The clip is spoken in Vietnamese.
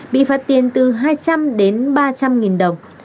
bị phạt tiền từ hai trăm linh đến ba trăm linh nghìn đồng